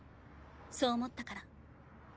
そう思ったから。